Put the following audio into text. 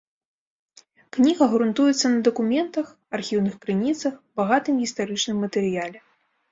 Кніга грунтуецца на дакументах, архіўных крыніцах, багатым гістарычным матэрыяле.